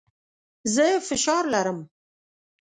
زه فشار لرم.